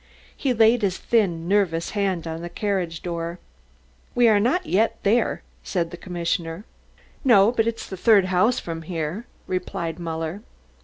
He laid his thin, nervous hand on the carriage door. "We are not there yet," said the commissioner. "No, but it's the third house from here," replied Muller.